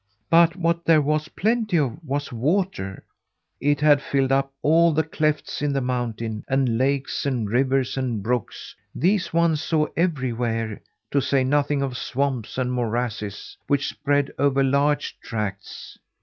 But what there was plenty of was water. It had filled up all the clefts in the mountain; and lakes and rivers and brooks; these one saw everywhere, to say nothing of swamps and morasses, which spread over large tracts.